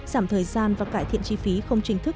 giảm thời gian và cải thiện chi phí không chính thức